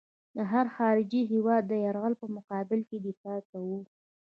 د هر خارجي هېواد د یرغل په مقابل کې دفاع کوو.